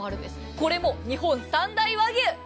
これも日本三大和牛。